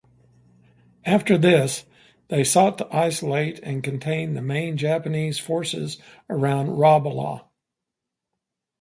After this, they sought to isolate and contain the main Japanese forces around Rabaul.